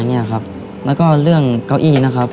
แล้วก็เรื่องเก้าอี้นะครับ